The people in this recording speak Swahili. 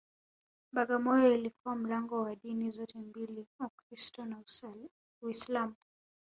Bagamoyo ilikuwa mlango wa dini zote mbili Ukristu na Uislamu